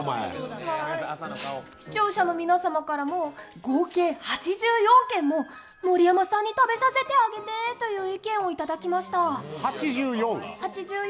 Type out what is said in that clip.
視聴者の皆様からも、合計８４件も盛山さんに食べさせてあげてという８４？